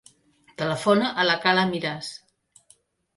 Telefona a la Kala Miras.